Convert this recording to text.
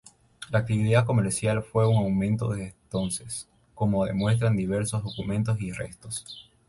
La actividad comercial fue en aumento desde entonces, como demuestran diversos documentos y restos.